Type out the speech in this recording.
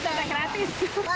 itu ada yang gratis